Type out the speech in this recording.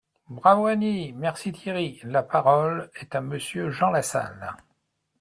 » Bravo Annie ! Merci Thierry ! La parole est à Monsieur Jean Lassalle.